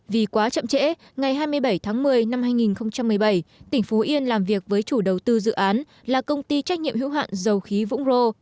vì quá chậm trễ ngày hai mươi bảy tháng một mươi năm hai nghìn một mươi bảy tỉnh phú yên làm việc với chủ đầu tư dự án là công ty trách nhiệm hữu hạn dầu khí vũng rô